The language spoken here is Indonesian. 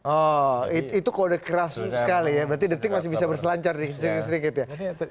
oh itu kode keras sekali ya berarti detik masih bisa berselancar di sini sedikit ya